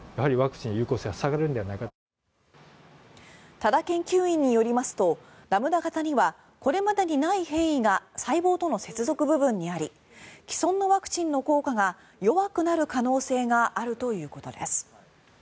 多田研究員によりますとラムダ型にはこれまでにない変異が細胞との接続部分にあり既存のワクチンの効果が弱くなる可能性があるということです。